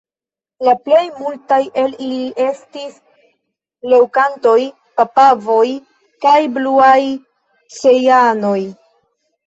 La plejmultaj el ili estis leŭkantoj, papavoj kaj bluaj cejanoj.